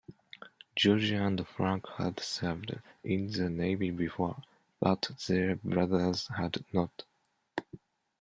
George and Frank had served in the Navy before, but their brothers had not.